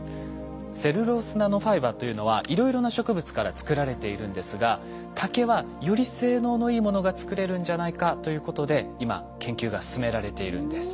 セルロースナノファイバーというのはいろいろな植物から作られているんですが竹はより性能のいいものが作れるんじゃないかということで今研究が進められているんです。